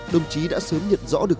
đồng chí đã sớm nhận rõ được